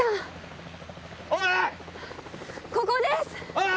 おい！